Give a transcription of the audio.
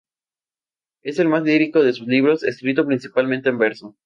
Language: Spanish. Es el más lírico de sus libros, escrito principalmente en verso.